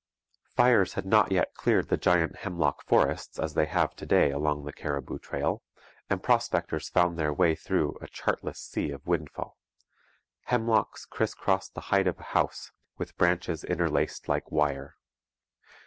Fires had not yet cleared the giant hemlock forests, as they have to day along the Cariboo Trail, and prospectors found their way through a chartless sea of windfall hemlocks criss crossed the height of a house with branches interlaced like wire.